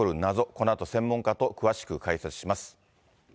このあと、専門家と詳しく解説します。